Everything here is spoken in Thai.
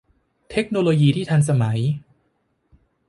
เทคโนโลยีที่ทันสมัย